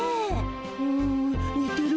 うんにてるわ。